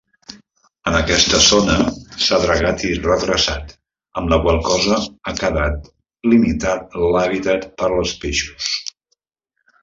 En aquesta zona s'ha dragat i redreçat, amb la qual cosa ha quedat limitat l'hàbitat per als peixos.